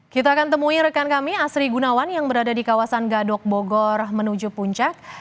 kita akan temui rekan kami asri gunawan yang berada di kawasan gadok bogor menuju puncak